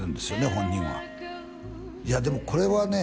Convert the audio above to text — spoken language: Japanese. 本人はいやでもこれはね